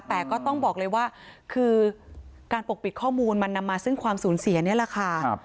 แต่ก็ต้องบอกเลยว่าคือการปกปิดข้อมูลมันนำมาซึ่งความสูญเสียนี่แหละค่ะ